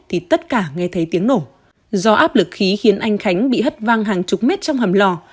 thì tất cả nghe thấy tiếng nổ do áp lực khí khiến anh khánh bị hất văng hàng chục mét trong hầm lò